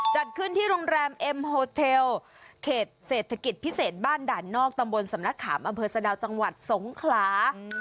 จัดขึ้นที่โรงแรมเอ็มโฮเทลเขตเศรษฐกิจพิเศษบ้านด่านนอกตำบลสำนักขามอำเภอสะดาวจังหวัดสงขลา